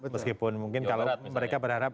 meskipun mungkin kalau mereka berharap